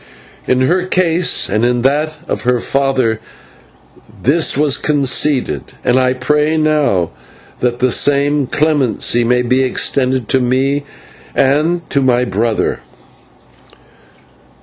In her case and in that of her father this was conceded, and I pray now that the same clemency may be extended to me and to my brother."